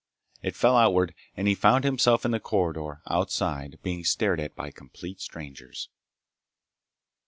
It fell outward and he found himself in the corridor outside, being stared at by complete strangers.